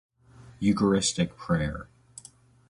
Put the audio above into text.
Eucharistic Prayer: